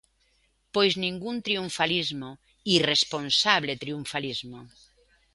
Pois ningún, triunfalismo, irresponsable triunfalismo.